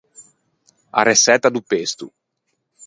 A reçetta do pesto.